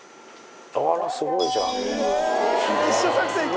あらすごいじゃん。